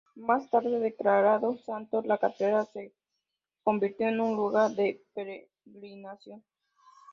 Más tarde declarado santo, la catedral se convirtió en un lugar de peregrinación.